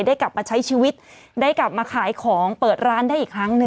ได้กลับมาใช้ชีวิตได้กลับมาขายของเปิดร้านได้อีกครั้งหนึ่ง